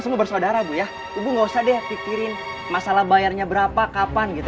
semua bersaudara bu ya ibu nggak usah deh pikirin masalah bayarnya berapa kapan gitu